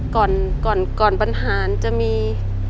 ก่อนก่อนบรรหารจะมี